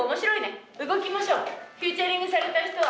動きましょうフィーチャリングされた人は。